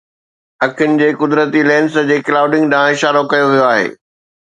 اکين جي قدرتي لينس جي ڪلائوڊنگ ڏانهن اشارو ڪيو ويو آهي